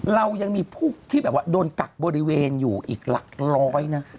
เรายังมีผู้ที่แบบว่าโดนกักบริเวณอยู่อีกหลักร้อยนะ